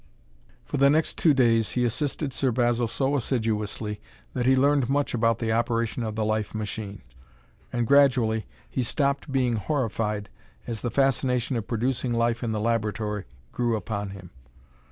For the next two days, he assisted Sir Basil so assiduously that he learned much about the operation of the life machine. And gradually he stopped being horrified as the fascination of producing life in the laboratory grew upon him.